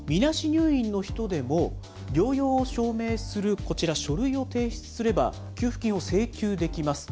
入院の人でも、療養を証明するこちら、書類を提出すれば、給付金を請求できます。